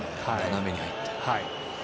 斜めに入って。